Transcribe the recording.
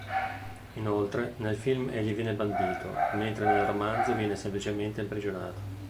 Inoltre, nel film egli viene bandito, mentre nel romanzo viene semplicemente imprigionato.